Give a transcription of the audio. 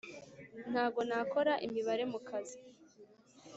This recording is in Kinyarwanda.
Ntago nakora imibare mu kazi